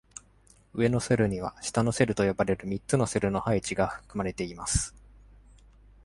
上のセルには「下のセル」と呼ばれる三つのセルの配置が含まれています。